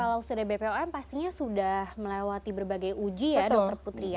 dan kalau sudah bpom pastinya sudah melewati berbagai uji ya dokter putri ya